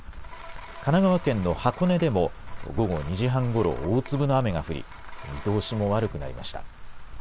神奈川県の箱根でも午後２時半ごろ、大粒の雨が降り見通しも悪くなりました。